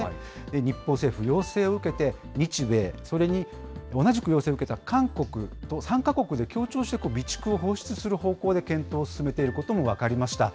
日本政府、要請を受けて日米、それに同じく要請を受けた韓国と３か国で協調して備蓄を放出する方向で検討を進めていることも分かりました。